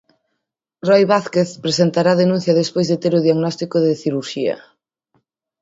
Roi Vázquez presentará denuncia despois de ter o diagnóstico de cirurxía.